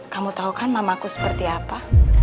kamu tau kan mamahku seperti apa